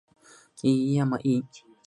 出身于东京都杉并区。